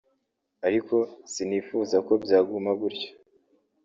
ariko sinifuza ko byaguma gutyo